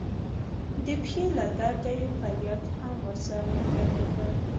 د پښې له درده یې فریاد هم ورسره ملګری کړ.